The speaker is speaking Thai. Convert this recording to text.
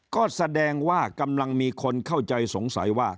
ก็แสดงว่ากำลังมีคนเข้าใจสงสัยว่า